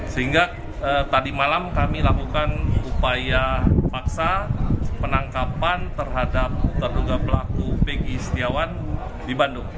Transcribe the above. sehingga tadi malam kami lakukan upaya paksa penangkapan terhadap terduga pelaku pegi setiawan di bandung